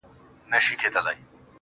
راته راگوره مه د سره اور انتهاء به سم,